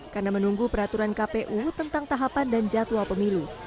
karena menunggu peraturan kpu tentang tahapan dan jadwal pemilu